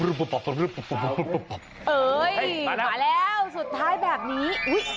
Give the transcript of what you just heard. มาแล้วสุดท้ายแบบนี้